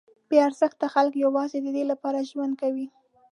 بې ارزښته خلک یوازې ددې لپاره ژوند کوي.